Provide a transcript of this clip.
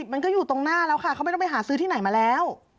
มันก็อยู่ตรงหน้าแล้วค่ะเขาไม่ต้องไปหาซื้อที่ไหนมาแล้ว